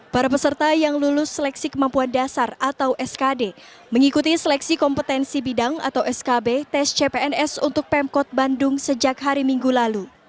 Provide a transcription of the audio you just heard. para peserta yang lulus seleksi kemampuan dasar atau skd mengikuti seleksi kompetensi bidang atau skb tes cpns untuk pemkot bandung sejak hari minggu lalu